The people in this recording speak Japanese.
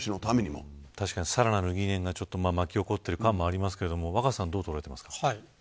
さらなる疑念が巻き起こっている感もありますが若狭さんはどう捉えていますか。